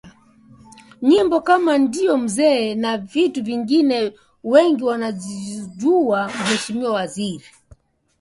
nyimbo kama Ndio Mzee na vitu vingine wengi mnazijua Mheshimiwa Waziri Mwakyembe wewe ulisema